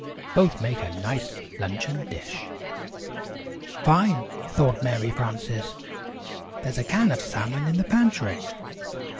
Both make a nice luncheon dish." ("Fine!" thought Mary Frances. "There's a can of salmon in the pantry.")